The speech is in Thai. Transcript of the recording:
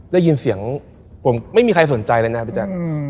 ได้ยินเสียงผมไม่มีใครสนใจเลยนะพี่แจ๊ค